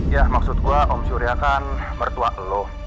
ya maksud gue om surya kan mertua lo